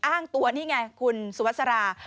อ้างตัวนี่ไงคุณสุวัสรา